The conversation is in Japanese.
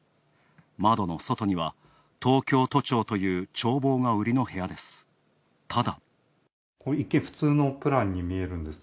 窓の外には東京都庁という眺望が売りの部屋ですただ。